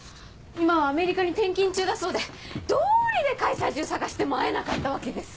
今はアメリカに転勤中だそうでどうりで会社中探しても会えなかったわけです。